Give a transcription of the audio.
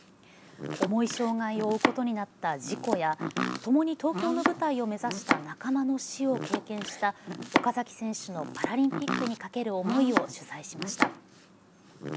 重い障害を負うことになった事故やともに東京の舞台を目指した仲間の死を経験した岡崎選手のパラリンピックにかける思いを取材しました。